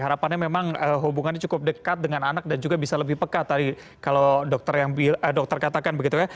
harapannya memang hubungannya cukup dekat dengan anak dan juga bisa lebih pekat tadi kalau dokter katakan begitu ya